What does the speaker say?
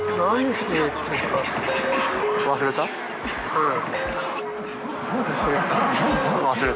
うん。